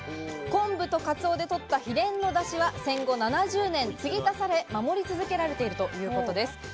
昆布とかつおで取った秘伝のだしは戦後７０年つぎ足され、守り続けられているということです。